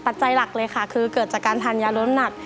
จัยหลักเลยค่ะคือเกิดจากการทานยาลดน้ำหนัก